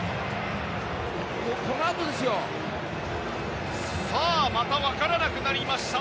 このあとですよ。また分からなくなりました。